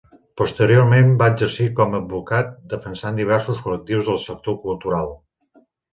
Posteriorment va exercir com a advocat defensant diversos col·lectius del sector cultural.